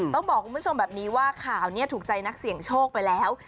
ต้องบอกคุณผู้ชมแบบนี้ว่าข่าวนี้ถูกใจนักเสี่ยงโชคไปแล้ว